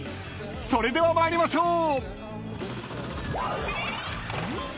［それでは参りましょう！］